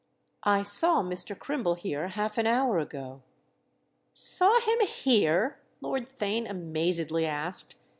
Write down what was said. "I saw Mr. Crim ble here half an hour ago." "Saw him 'here'?" Lord Theign amazedly asked.